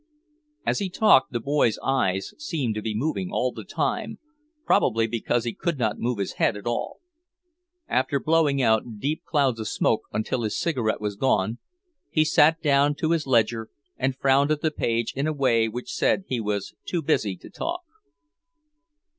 As he talked the boy's eyes seemed to be moving all the time, probably because he could not move his head at all. After blowing out deep clouds of smoke until his cigarette was gone, he sat down to his ledger and frowned at the page in a way which said he was too busy to talk.